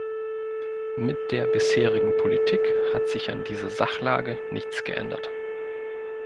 Mit der bisherigen Politik hat sich an dieser Sachlage nichts geändert.